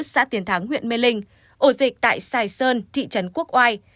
xã tiền thắng huyện mê linh ổ dịch tại sài sơn thị trấn quốc oai